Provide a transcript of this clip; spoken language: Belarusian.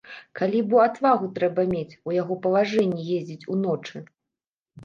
Калі бо адвагу трэба мець, у яго палажэнні ездзіць уночы!